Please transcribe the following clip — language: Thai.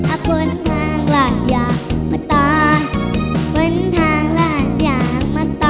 อาพ้นทางหลานอย่างมันต่ออาพ้นทางหลานอย่างมันต่อ